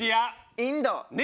インドネ。